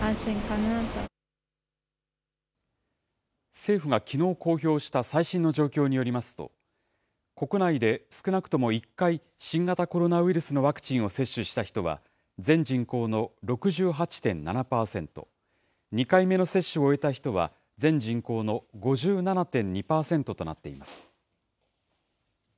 政府がきのう公表した最新の状況によりますと、国内で少なくとも１回、新型コロナウイルスのワクチンを接種した人は、全人口の６８．７％、２回目の接種を終えた人は、全人口の５７．２％となっています。